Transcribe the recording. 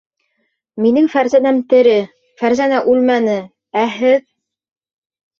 Минең Фәрзәнәм тере, Фәрзәнә үлмәне, ә һеҙ...